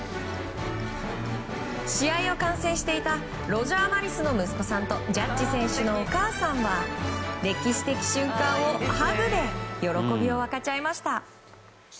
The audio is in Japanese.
試合を観戦していたロジャー・マリスの息子さんとジャッジ選手のお母さんは歴史的瞬間をハグで喜びを分かち合いました。